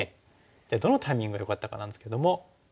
じゃあどのタイミングがよかったかなんですけども。